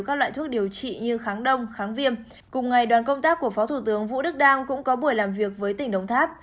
cùng ngày đoàn công tác của phó thủ tướng vũ đức đang cũng có buổi làm việc với tỉnh đồng tháp